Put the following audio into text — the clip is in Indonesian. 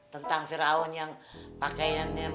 tentang fir'aun modern yang berpakaian seperti orang islam